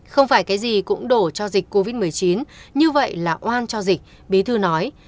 không phải cái gì cũng đổ cho dịch covid một mươi chín như vậy là oan cho dịch bí thư nói